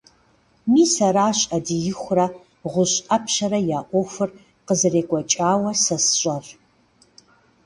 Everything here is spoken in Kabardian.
Мис аращ Ӏэдиихурэ ГъущӀ Ӏэпщэрэ я Ӏуэхур къызэрекӀуэкӀауэ сэ сщӀэр.